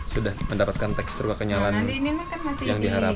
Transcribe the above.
sudah mendapatkan tekstur kenyalan yang diharapkan